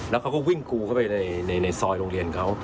แล้วเขาก็วิ่งกรูเข้าไปในซอยโรงเรียนเขา